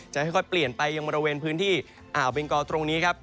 จะค่อยเปลี่ยนไปยังบริเวณพื้นที่อ่าวเบงกอตรงนี้ครับ